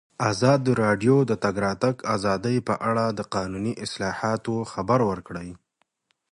ازادي راډیو د د تګ راتګ ازادي په اړه د قانوني اصلاحاتو خبر ورکړی.